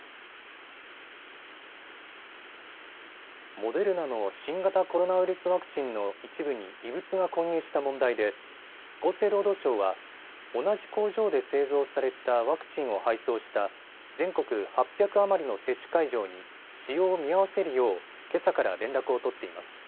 モデルナの新型コロナウイルスワクチンの一部に異物が混入した問題で厚生労働省は同じ工場で製造されたワクチンを配送した全国８００余りの接種会場に使用を見合わせるようけさから連絡を取っています。